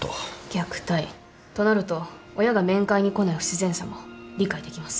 虐待となると親が面会に来ない不自然さも理解できます。